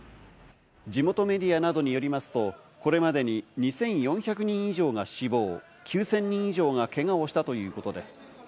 地元メディアなどによりますと、これまでに２４００人以上が死亡、９０００人以上がけがをしたということです。